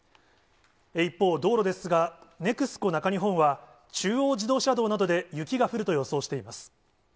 一方、道路ですが、ネクスコ中日本は、中央自動車道などで雪が降ると予想しています。